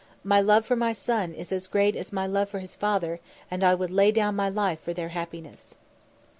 "My love for my son is as great as my love for his father, and I would lay down my life for their happiness."